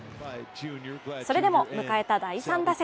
それでも迎えた第３打席。